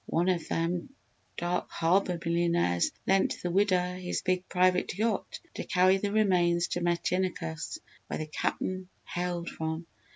One of them Dark Harbour millionaires lent the widder his big private yacht to carry the remains to Metinicus, where the Cap'n hailed from.